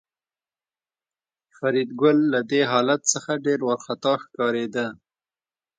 فریدګل له دې حالت څخه ډېر وارخطا ښکارېده